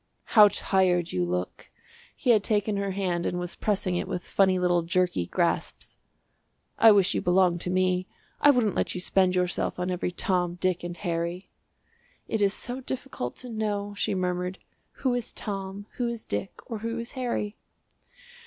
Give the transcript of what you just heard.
"How tired you look!" He had taken her hand and was pressing it with funny little jerky grasps. "I wish you belonged to me; I wouldn't let you spend yourself on every Tom, Dick and Harry." "It is so difficult to know," she murmured, "who is Tom, who is Dick, or who is Harry!"